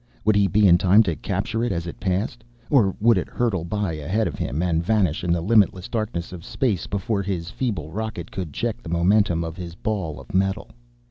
Would he be in time to capture it as it passed, or would it hurtle by ahead of him, and vanish in the limitless darkness of space before his feeble rocket could check the momentum of his ball of metal?